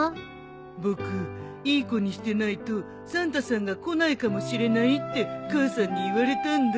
僕いい子にしてないとサンタさんが来ないかもしれないって母さんに言われたんだ。